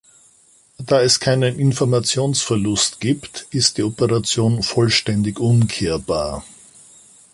Da es keinen Informationsverlust gibt, ist die Operation vollständig umkehrbar.